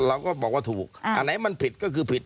อันไหนมันผิดก็ผิด